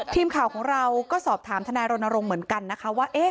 ทีมข่าวของเราก็สอบถามทนายรณรงค์เหมือนกันนะคะว่า